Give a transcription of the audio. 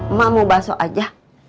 emak mau baso aja